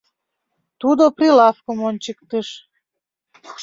Тудо прилавкым ончыктыш.